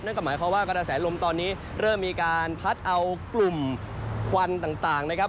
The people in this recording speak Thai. นั่นก็หมายความว่ากระแสลมตอนนี้เริ่มมีการพัดเอากลุ่มควันต่างนะครับ